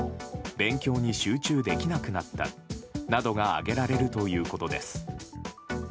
勉強に集中できなくなったなどが挙げられるということです。